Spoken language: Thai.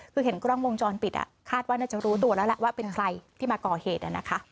คือเห็นกล้องวงจรปิดคาดว่าน่าจะรู้ตัวแล้วแหละว่าเป็นใครที่มาก่อเหตุนะคะ